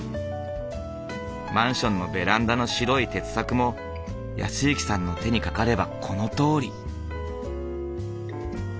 マンションのベランダの白い鉄柵も泰之さんの手にかかればこのとおり。